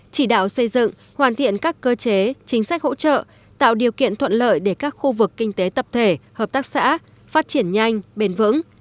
chỉ đạo xây dựng hoàn thiện các cơ chế chính sách hỗ trợ tạo điều kiện thuận lợi để các khu vực kinh tế tập thể hợp tác xã phát triển nhanh bền vững